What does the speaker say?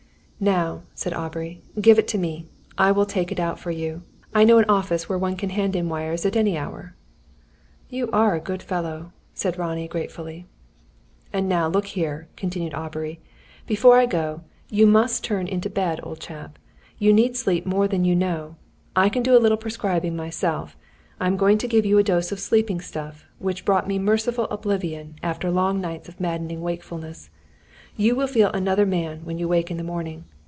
"Now," said Aubrey, "give it to me. I will take it out for you. I know an office where one can hand in wires at any hour." "You are a good fellow," said Ronnie gratefully. "And now look here," continued Aubrey. "Before I go, you must turn into bed, old chap. You need sleep more than you know. I can do a little prescribing myself. I am going to give you a dose of sleeping stuff which brought me merciful oblivion, after long nights of maddening wakefulness. You will feel another man, when you wake in the morning.